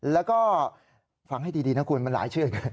แล้วก็ฟังให้ดีนะคุณมันหลายชื่อไง